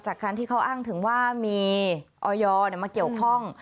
จากการที่เขาอ้างถึงว่ามีออยมาเกี่ยวข้อง